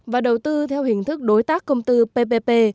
và đầu tư theo hình thức đối tác công tư ppp